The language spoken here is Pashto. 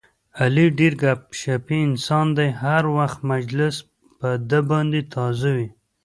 علي ډېر ګپ شپي انسان دی، هر وخت مجلس په ده باندې تازه وي.